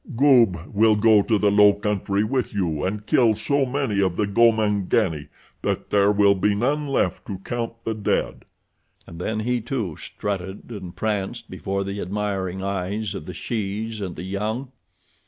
Goob will go to the low country with you and kill so many of the Gomangani that there will be none left to count the dead," and then he, too, strutted and pranced before the admiring eyes of the shes and the young.